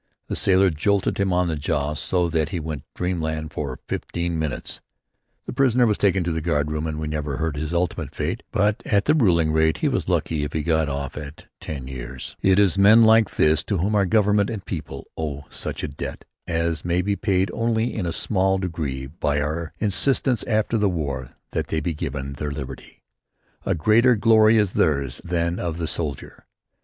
The sailor jolted him in the jaw so that he went to dreamland for fifteen minutes. The prisoner was taken to the guardroom and we never heard his ultimate fate, but at the ruling rate he was lucky if he got off with ten years. It is men like this to whom our Government and people owe such a debt as may be paid only in a small degree by our insistence after the war that they be given their liberty. A greater glory is theirs than that of the soldier.